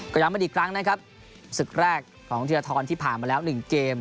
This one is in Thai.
ก็ยังไม่ได้อีกครั้งนะครับศึกแรกของเทียร์ทอลที่ผ่านมาแล้ว๑เกม